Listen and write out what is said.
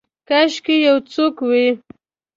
کاشکي یو څوک وی